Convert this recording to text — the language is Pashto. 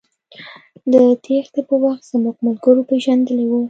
د تېښتې په وخت زموږ ملګرو پېژندلى و.